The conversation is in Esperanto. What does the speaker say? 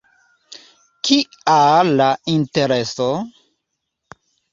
Kial la Intereso?